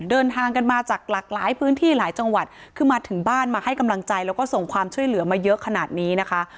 เดินทางกันมาจากหลากหลายพื้นที่หลายจังหวัดคือมาถึงบ้านมาให้กำลังใจแล้วก็ส่งความช่วยเหลือมาเยอะขนาดนี้นะคะ